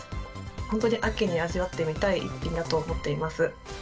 本当に秋に味わってみたい一品だと思っています。